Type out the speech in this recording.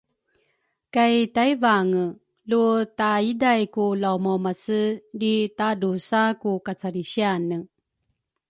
Kay Tayvange lu taiday ku laumaumase lri tadrusa ku kacalrisiane